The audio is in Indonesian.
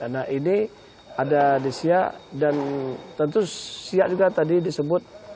nah ini ada di siak dan tentu siak juga tadi disebut